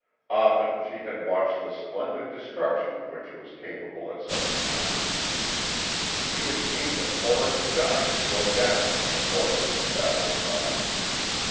Often she had watched the splendid destruction of which it was capable at such a time. She had seen the forest giants go down at the roar of its battle cry.